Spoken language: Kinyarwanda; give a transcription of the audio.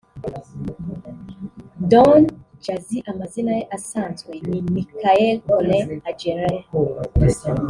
Don Jazzy Amazina ye asanzwe ni Michael Collins Ajereh